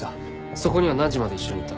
そこには何時まで一緒にいた？